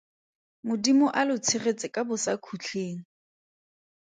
Modimo a lo tshegetse ka bosakhutleng.